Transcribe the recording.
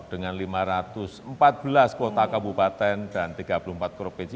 dengan lima ratus empat belas kota kabupaten dan tiga puluh empat provinsi